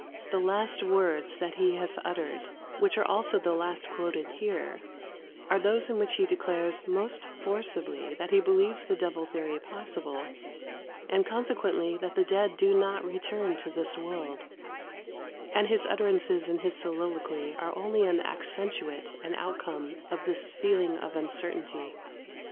The last words that he has uttered, which are also the last quoted here, are those in which he declares most forcibly that he believes the devil theory possible, and consequently that the dead do not return to this world; and his utterances in his soliloquy are only an accentuate and outcome of this feeling of uncertainty.